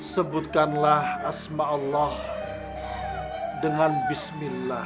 sebutkanlah asma allah dengan bismillah